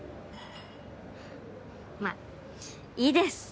まぁいいです。